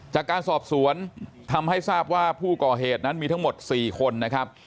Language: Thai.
จากการสอบสวนทำให้ทราบว่าผู้ก่อเหตุนั้นมีทั้งหมด๔คนนะครับ